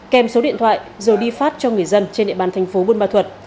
kèm số điện thoại rồi đi phát cho người dân trên địa bàn thành phố quân mạc thuật